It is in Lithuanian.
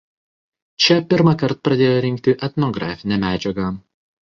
Čia pirmąkart pradėjo rinkti etnografinę medžiagą.